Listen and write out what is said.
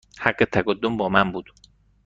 حق تقدم با من بود.